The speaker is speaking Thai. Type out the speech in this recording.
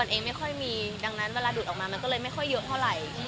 แล้วดูดออกมามันก็คือไม่ค่อยเยอะเท่าไหร่